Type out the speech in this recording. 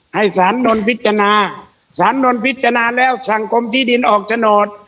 ให้สารโดนพิจารณาสารโดนพิจารณาแล้วสั่งกรมที่ดินออกฉโนธ